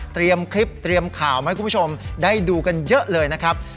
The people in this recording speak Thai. คลิปเตรียมข่าวมาให้คุณผู้ชมได้ดูกันเยอะเลยนะครับ